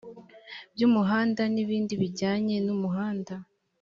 by umuhanda n ibindi bijyanye n umuhanda